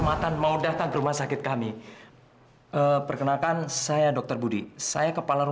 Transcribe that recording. kita ini datang dari luar pulau